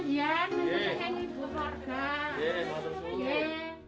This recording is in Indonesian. terima kasih ibu warga